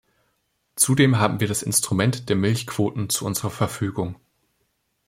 Zudem haben wir das Instrument der Milchquoten zu unserer Verfügung.